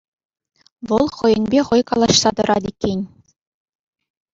Вӑл хӑйӗнпе хӑй калаҫса тӑрать иккен.